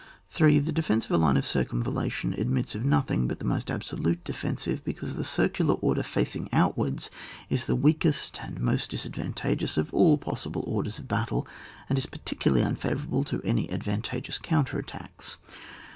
3. The defence of a line of circumval lation admits of nothing but the most absolute defensive, because the circular order, facing outwards, is the weakest and most disadvantageous of all possible orders of battle, and is particularly un favourable to any advantageous counter attacks.